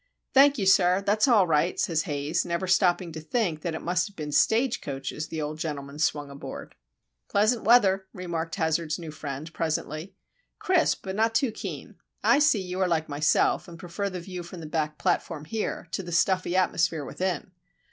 "Thank you, sir. That's all right," says Haze, never stopping to think that it must have been stage coaches the old gentleman swung aboard. "Pleasant weather," remarked Hazard's new friend, presently. "Crisp, but not too keen. I see you are like myself, and prefer the view from the back platform here, to the stuffy atmosphere within.